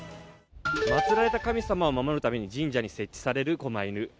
祭られた神様を守るために神社に設置されるこま犬。